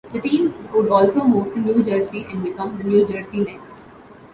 The team would also move to New Jersey and become the New Jersey Nets.